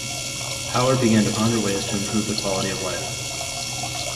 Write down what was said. Howard began to ponder ways to improve the quality of life.